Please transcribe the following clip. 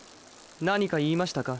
何か言いましたか？